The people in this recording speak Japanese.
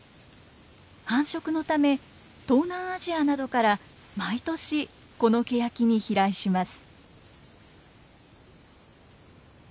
繁殖のため東南アジアなどから毎年このケヤキに飛来します。